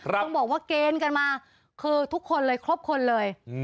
ต้องบอกว่าเกณฑ์กันมาคือทุกคนเลยครบคนเลย